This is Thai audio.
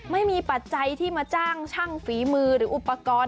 ปัจจัยที่มาจ้างช่างฝีมือหรืออุปกรณ์